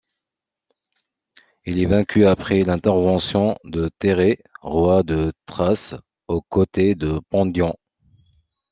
Il est vaincu après l’intervention de Térée, roi de Thrace, aux côtés de Pandion.